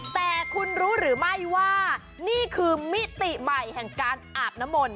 แต่คุณรู้หรือไม่ว่านี่คือมิติใหม่แห่งการอาบน้ำมนต